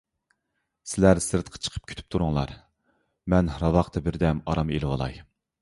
سىلەر سىرتقا چىقىپ كۈتۈپ تۇرۇڭلار، مەن راۋاقتا بىردەم ئارام ئېلىۋالاي.